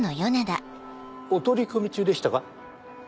お取り込み中でしたか？